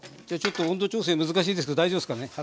じゃあちょっと温度調整難しいですけど大丈夫ですかね？